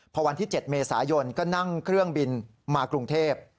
พอวันที่๗เมษายนก็นั่งเครื่องบินมากรุงเทพ